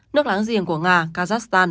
nước láng giềng của nga kazakhstan